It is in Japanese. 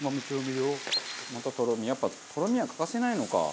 またとろみやっぱとろみは欠かせないのか。